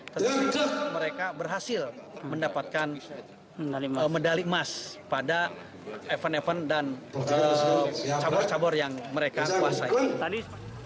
tentu mereka berhasil mendapatkan medali emas pada event event dan cabur cabur yang mereka kuasai